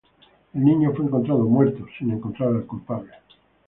El niño fue encontrado muerto, sin encontrar al culpable.